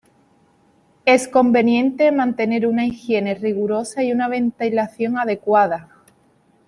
Es conveniente mantener una higiene rigurosa y una ventilación adecuada.